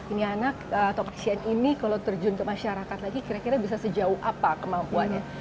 ini anak atau pasien ini kalau terjun ke masyarakat lagi kira kira bisa sejauh apa kemampuannya